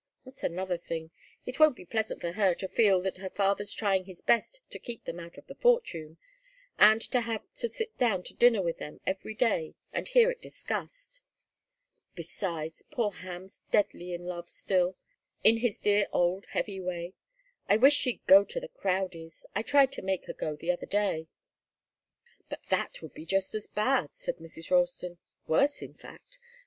That's another thing. It won't be pleasant for her to feel that her father's trying his best to keep them out of the fortune, and to have to sit down to dinner with them every day and hear it discussed. Besides poor Ham's deadly in love still, in his dear old heavy way. I wish she'd go to the Crowdies'. I tried to make her go the other day " "But that would be just as bad," said Mrs. Ralston. "Worse, in fact.